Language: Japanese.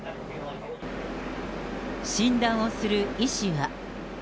診断をする医師は。